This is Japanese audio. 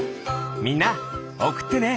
みんなおくってね。